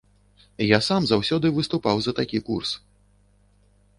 Я сам заўсёды выступаў за такі курс.